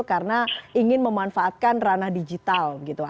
karena ingin memanfaatkan ranah digital